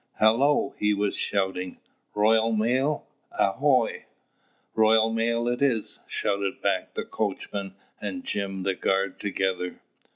"Hallo!" he was shouting. "Royal Mail, ahoy!" "Royal Mail it is!" shouted back the coachman and Jim the guard together.